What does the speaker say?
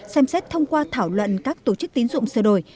xem xét thông qua thảo luận các tổ chức tín dụng sửa đổi